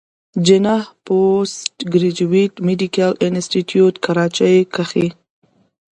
جناح پوسټ ګريجويټ ميډيکل انسټيتيوټ کراچۍ کښې